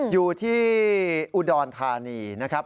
อยู่ที่อุดรธานีนะครับ